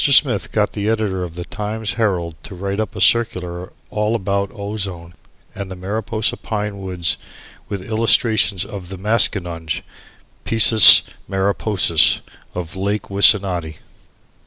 Smith got the editor of the Times Herald to write up a circular all about ozone and the Mariposa pine woods, with illustrations of the maskinonge (piscis mariposis) of Lake Wissanotti.